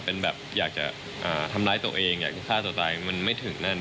เป็นแบบอยากจะทำร้ายตัวเองอยากฆ่าตัวตายมันไม่ถึงนั่น